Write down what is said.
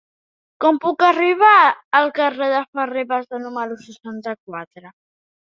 Com puc arribar al carrer de Ferrer Bassa número seixanta-quatre?